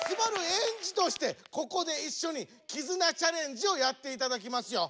昴エンジとしてここでいっしょに絆チャレンジをやっていただきますよ。